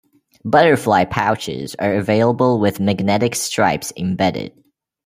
Butterfly pouches are available with magnetic stripes embedded.